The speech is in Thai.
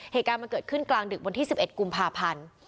เหตุการณ์มันเกิดขึ้นกลางดึกวันที่๑๑กุมภาพันธ์